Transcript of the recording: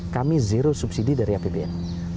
kami zero subsidi dari apbn